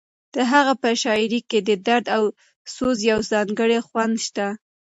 د هغه په شاعرۍ کې د درد او سوز یو ځانګړی خوند شته.